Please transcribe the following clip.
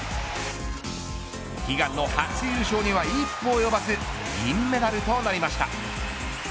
悲願の初優勝には一歩及ばず銀メダルとなりました。